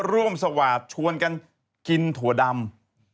ร่วมสวาสตร์ชวนกันกินถั่วดำ